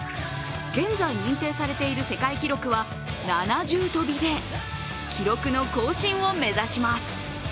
現在認定されている世界記録は７重跳びで、記録の更新を目指します。